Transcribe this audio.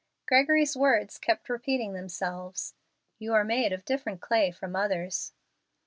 Gregory's words kept repeating themselves, "You are made of different clay from others."